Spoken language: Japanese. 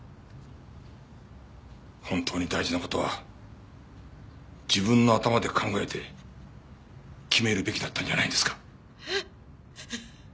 本当に大事な事は自分の頭で考えて決めるべきだったんじゃないんですか？